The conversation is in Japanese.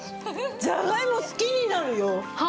じゃがいも好きになるよ！